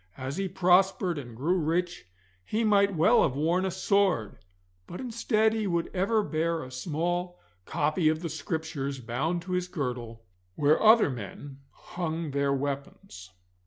As he prospered and grew rich he might well have worn a sword, but instead he would ever bear a small copy of the Scriptures bound to his girdle, where other men hung their weapons.